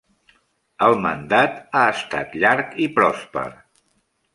El mandat ha estat llarg i pròsper.